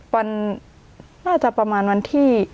วันน่าจะประมาณวันที่